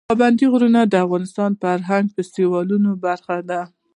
پابندي غرونه د افغانستان د فرهنګي فستیوالونو برخه ده.